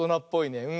うん。